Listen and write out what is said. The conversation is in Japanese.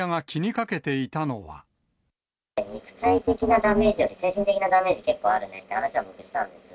肉体的なダメージより、精神的なダメージ、結構あるねっていう話をしたんです。